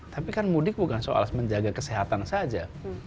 tapi kan mudik bukan soal menjaga kesehatan saja